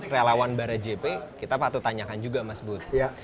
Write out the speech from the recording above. relawan barajp kita patut tanyakan juga mas bud